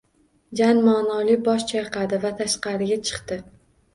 Jan ma`noli bosh chayqadi va tashqariga chiqdi